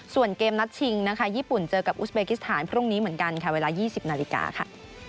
ส่วนเกมนัดชิงนะคะญี่ปุ่นเจอกับอุสเบกิสถานพรุ่งนี้เหมือนกันค่ะเวลา๒๐นาฬิกาค่ะ